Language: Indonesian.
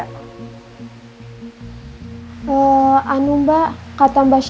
kopi atau teh gitu nggak ada